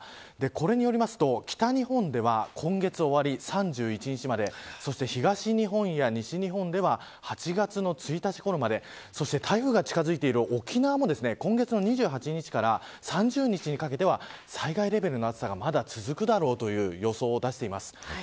これによると北日本では、今月終わり３１日まで、そして東日本や西日本では８月の１日ごろまでそして台風が近づいている沖縄も今月２８日から３０日にかけては災害レベルの暑さがまだ続くだろうという予想をしています。